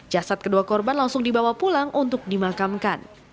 jasad kedua korban langsung dibawa pulang untuk dimakamkan